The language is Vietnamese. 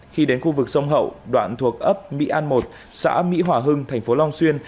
khi đến khu vực sông hậu đoạn thuộc ấp mỹ an một xã mỹ hòa hưng thành phố long xuyên